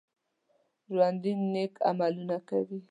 ژوندي نیک عمل کوي